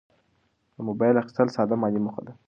د موبایل اخیستل ساده مالي موخه ده.